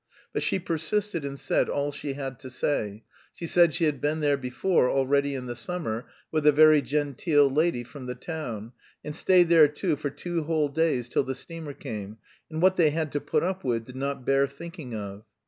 But she persisted and said all she had to say: she said she had been there before already in the summer "with a very genteel lady from the town," and stayed there too for two whole days till the steamer came, and what they had to put up with did not bear thinking of.